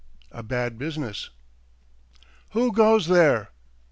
..." A BAD BUSINESS "WHO goes there?"